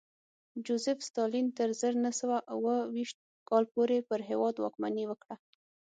جوزېف ستالین تر زر نه سوه اوه ویشت کال پورې پر هېواد واکمني وکړه